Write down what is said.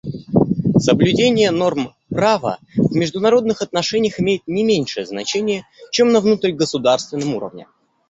Соблюдение норм права в международных отношениях имеет не меньшее значение, чем на внутригосударственном уровне.